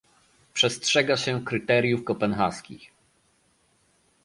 Przestrzega się kryteriów kopenhaskich